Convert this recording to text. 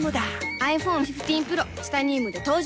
ｉＰｈｏｎｅ１５Ｐｒｏ チタニウムで登場